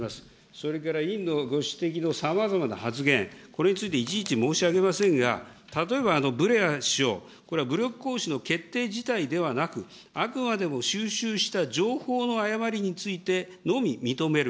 それから委員のご指摘のさまざまな発言、これについていちいち申し上げませんが、例えば、ブレア首相、これは武力行使の決定自体ではなく、あくまでも収集した情報の誤りについてのみ認める。